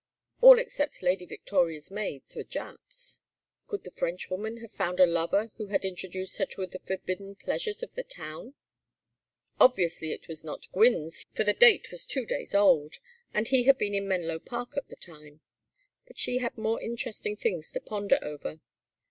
All except Lady Victoria's maid were Japs. Could the Frenchwoman have found a lover who had introduced her to the forbidden pleasures of the town? Obviously it was not Gwynne's for the date was two days old, and he had been in Menlo Park at the time. But she had more interesting things to ponder over.